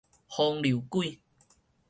風流鬼